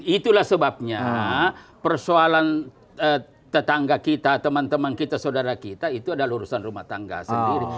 itulah sebabnya persoalan tetangga kita teman teman kita saudara kita itu adalah urusan rumah tangga sendiri